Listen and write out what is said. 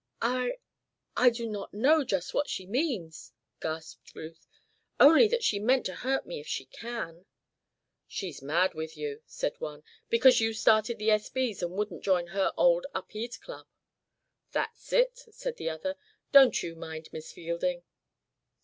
"I I do not know just what she means," gasped Ruth, "only that she means to hurt me if she can." "She's mad with you," said one, "because you started the S. B.'s and wouldn't join her old Upede Club. "That's it," said the other. "Don't you mind, Miss Fielding."